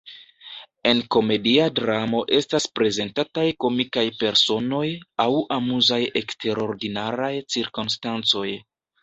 En komedia dramo estas prezentataj komikaj personoj aŭ amuzaj eksterordinaraj cirkonstancoj.